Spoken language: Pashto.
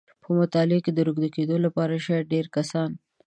په مطالعې د روږدي کېدو لپاره شاید ډېری کسان